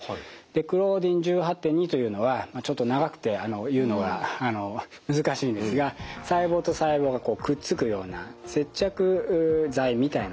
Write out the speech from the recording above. クローディン１８．２というのはちょっと長くて言うのが難しいんですが細胞と細胞がくっつくような接着剤みたいなですね